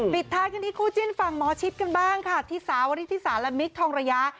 ปิดท้ายกันที่คู่จิ้นฝั่งหมอชิดกันบ้างค่ะที่สาวริธิสารและมิคทองระยะ